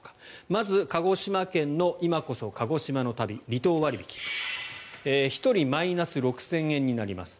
まず鹿児島県の今こそ鹿児島の旅離島割引１人マイナス６０００円になります。